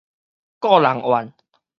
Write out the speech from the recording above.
顧人怨